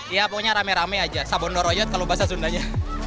ya pokoknya rame rame aja sabon noroyot kalau bahasa sundanya